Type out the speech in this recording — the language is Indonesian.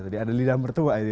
ada lidah bertuah